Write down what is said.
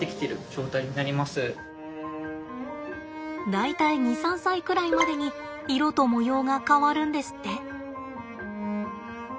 大体２３歳くらいまでに色と模様が変わるんですって。